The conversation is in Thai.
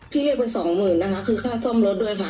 พี่เรียกว่าสองหมื่นค่ะคือค่าซ่อมรถด้วยค่ะ